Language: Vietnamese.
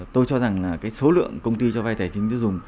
tôi cho rằng là cái số lượng công ty cho vay tài chính tiêu dùng